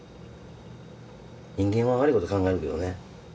人間は悪い事考えるけどね。